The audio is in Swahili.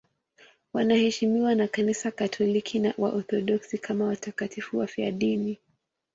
Wanaheshimiwa na Kanisa Katoliki na Waorthodoksi kama watakatifu wafiadini.